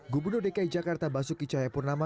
gubernur dki jakarta basuki cahayapurnama